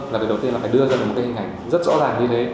là điều đầu tiên là phải đưa ra một cái hình ảnh rất rõ ràng như thế